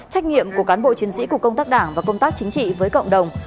trách nghiệm của cán bộ chiến sĩ cục công tác đảng và công tác chính trị với cộng đồng